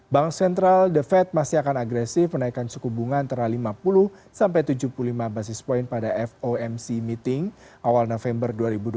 bank sentral the fed masih akan agresif menaikkan suku bunga antara lima puluh sampai tujuh puluh lima basis point pada fomc meeting awal november dua ribu dua puluh